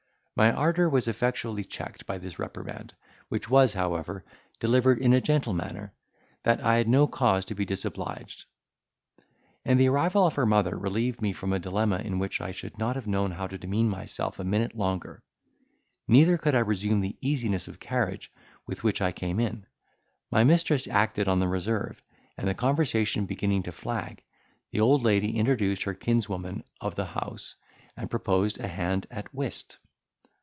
My ardour was effectually checked by this reprimand, which was, however, delivered in a gentle manner, that I had no cause to be disobliged; and the arrival of her mother relieved me from a dilemma in which I should not have known how to demean myself a minute longer. Neither could I resume the easiness of carriage with which I came in; my mistress acted on the reserve, and the conversation beginning to flag, the old lady introduced her kinswoman of the house, and proposed a hand at whist.